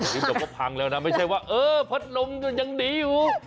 เดี๋ยวก็พังแล้วนะไม่ใช่ว่าเออพัดลมยังดีอยู่